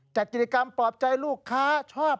จัดกิจกรรมปลอบใจลูกค้าชอบ